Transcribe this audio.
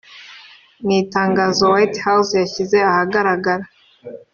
Mu Itangazo White House yashyize ahagaragara